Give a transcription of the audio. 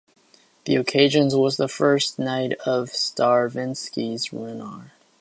The occasion was the first night of Stravinsky's "Renard".